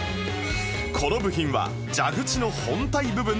この部品は蛇口の本体部分でした